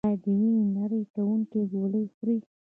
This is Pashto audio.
ایا د وینې نری کوونکې ګولۍ خورئ؟